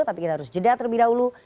tapi kita harus jeda terlebih dahulu